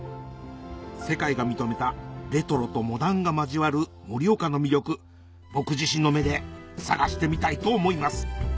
世界が認めたレトロとモダンが交わる盛岡の魅力僕自身の目で探してみたいと思います